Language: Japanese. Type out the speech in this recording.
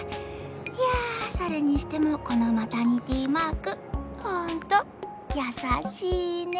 いやそれにしてもこのマタニティマークホントやさしいね。